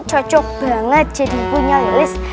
cocok banget jadi punya list